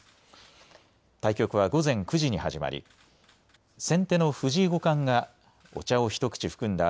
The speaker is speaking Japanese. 対局は午前９時に始まり先手の藤井五冠がお茶を一口含んだ